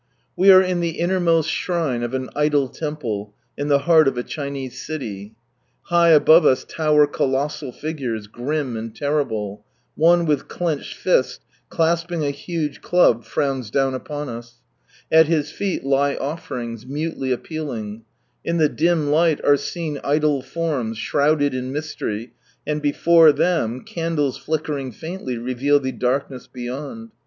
We are in the innermost shrine of an idol temple, in the heart of a Chinese city. High above us lower colossal figures, grim and terrible— one with clenched fist clasping a huge club frowns down upon us ; at his feet lie offerings, mutely appeal ing ; in the dim light are seen idol forms, shrouded in mystery, and before them candles flickering faintly reveal the darkness beyond.